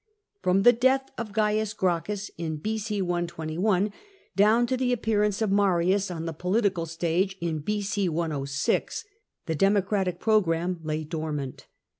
From the death of Gains Gracchus in B.c. I2I, down to the appearance of Marius on the poKtical stage in B.C. 106, the Democratic programme lay dormant.